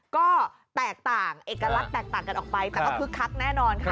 ก็แตกต่างเอกลักษณ์แตกต่างกันออกไปแต่ก็คึกคักแน่นอนค่ะ